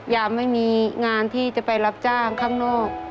ยามไม่มีงานที่จะไปรับจ้างข้างนอก